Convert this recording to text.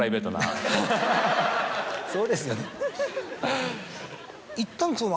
そうですよね。